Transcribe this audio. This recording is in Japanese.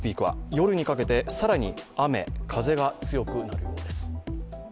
夜にかけて更に雨・風が強くなる見込みです。